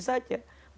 ya sudah tutupi saja